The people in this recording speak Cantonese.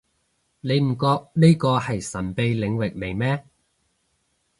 你唔覺呢個係神秘領域嚟咩